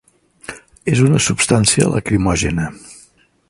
És una substància lacrimògena.